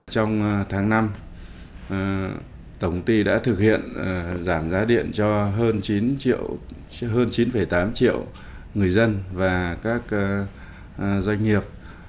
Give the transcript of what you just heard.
trong tháng năm tổng ty đã thực hiện giảm giá điện cho hơn chín tám triệu người dân và các doanh nghiệp